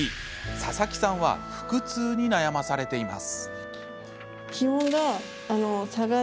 佐々木さんは腹痛に悩まされています。